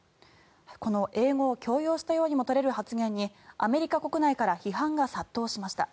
この英語を強要したようにも取れる発言にアメリカ国内から批判が殺到しました。